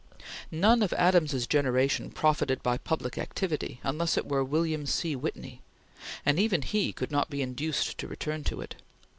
None of Adams's generation profited by public activity unless it were William C. Whitney, and even he could not be induced to return to it.